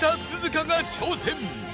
花が挑戦